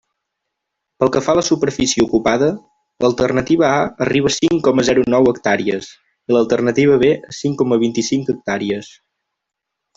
Pel que fa a la superfície ocupada, l'alternativa A arriba a cinc coma zero nou hectàrees, i l'alternativa B a cinc coma vint-i-cinc hectàrees.